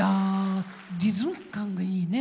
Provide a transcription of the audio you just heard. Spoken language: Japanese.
リズム感がいいね。